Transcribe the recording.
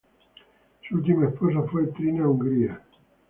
Su última esposa fue Trina Hungría.